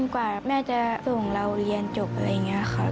กว่าแม่จะส่งเราเรียนจบอะไรอย่างนี้ค่ะ